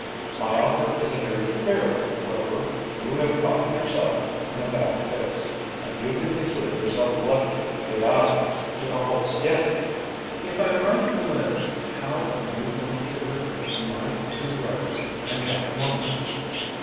"My offer is a very fair one, Rover. You have gotten yourself in a bad fix, and you can consider yourself lucky if you get out of it with a whole skin." "If I write the letter, how are you going to deliver it to my two brothers and Jack Wumble?"